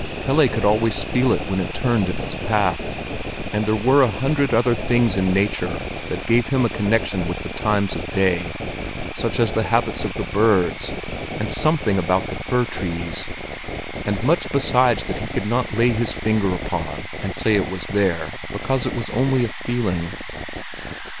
Pelle could always feel it when it turned in its path. And there were a hundred other things in nature that gave him a connection with the times of day, such as the habits of the birds, and something about the fir trees, and much besides that he could not lay his finger upon and say it was there, because it was only a feeling.